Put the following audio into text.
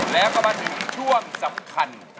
แล้วก็มาถึงช่วงสำคัญ